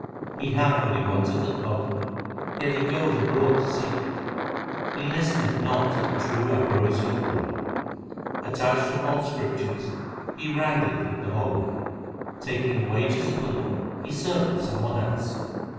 He hath what he wanteth at home, yet he goeth abroad to seek it :{ He listeneth not to the true ambrosial Word. Attached to false scriptures, he wrangleth with the holy. Taking the wages of the Lord he serveth some one else.